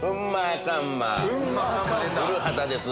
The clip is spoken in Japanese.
古畑です。